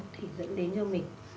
thủy dẫn đến cho mình